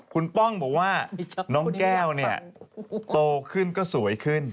คุณป้องบอกว่าน้องแก้วเนี่ยโตขึ้นก็สวยขึ้น